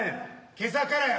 今朝からや。